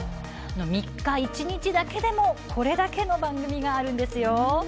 ３日、一日だけでもこれだけの番組があるんですよ。